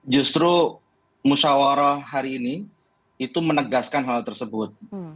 justru musyawarah hari ini itu menegaskan hal tersebut